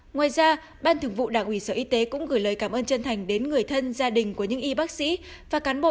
ngoài ra ban thường vụ đảng ủy sở y tế cũng gửi lời cảm ơn chân thành đến người thân gia đình của những y bác sĩ và cán bộ